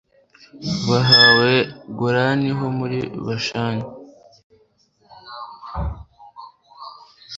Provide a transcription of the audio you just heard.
bahawe golani ho muri bashani